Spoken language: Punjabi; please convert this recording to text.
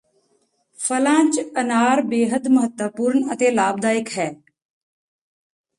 ਫਲਾਂ ਚ ਅਨਾਰ ਬੇਹੱਦ ਮਹੱਤਵਪੂਰਨ ਅਤੇ ਲਾਭਦਾਇਕ ਹੈ